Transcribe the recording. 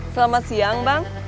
selamat siang bang